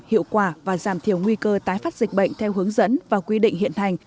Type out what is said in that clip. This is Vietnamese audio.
hiệu quả và giảm thiểu nguy cơ tái phát dịch bệnh theo hướng dẫn và quy định hiện hành